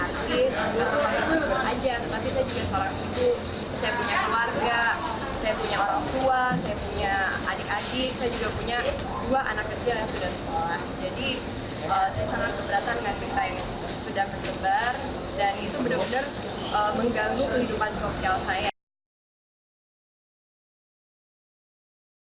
di sini saya bukan seorang artis atau seorang ajat